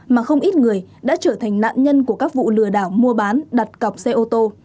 mà không ít người đã trở thành nạn nhân của các vụ lừa đảo mua bán đặt cọc xe ô tô